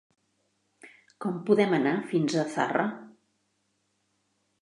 Com podem anar fins a Zarra?